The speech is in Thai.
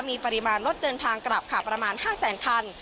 มีปริมาณรถเดินทางกลับค่ะประมาณ๕แสนคัน